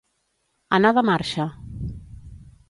Anar de marxa.